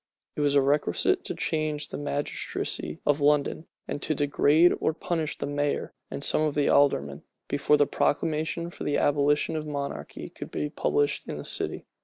It was requisite to change the magistracy of London, and to degrade, as well as punish, the mayor and some of the aldermen, before the proclamation for the abolition of monarchy could be published in the city.